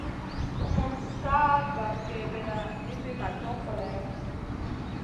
Sumun ka jan kègèda nizi ma co koleyo.